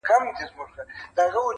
اوس که چپ یمه خاموش یم وخت به راسي،